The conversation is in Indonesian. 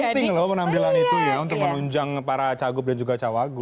penting loh penampilan itu ya untuk menunjang para cagup dan juga cawagu